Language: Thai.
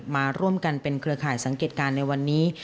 มาร่วมกันเป็นเครือข่ายสังเกตการณ์ในวันนี้